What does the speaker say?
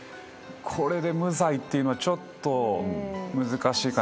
これで無罪っていうのはちょっと難しいかな。